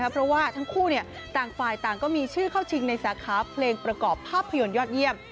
เพราะว่าทั้งคู่ต่างฝ่ายต่างก็มีชื่อเข้าชิงในสาขาเพลงประกอบภาพยนตร์ยอดเยี่ยม